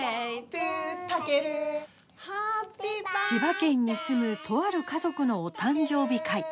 千葉県に住むとある家族のお誕生日会。